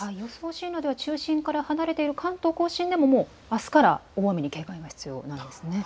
台風の中心から離れている関東でもあすから大雨に警戒が必要なんですね。